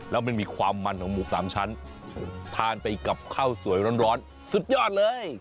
แล้วมันมีความมันของหมูสามชั้นทานไปกับข้าวสวยร้อนสุดยอดเลย